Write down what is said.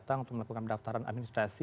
untuk melakukan pendaftaran administrasi